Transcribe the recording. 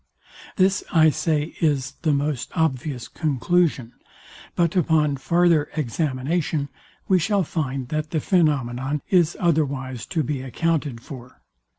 This I say is the most obvious conclusion; but upon farther examination we shall find that the phænomenon is otherwise to be accounted for.